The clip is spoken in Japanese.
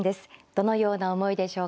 どのような思いでしょうか。